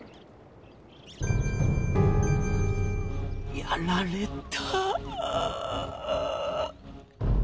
やられた。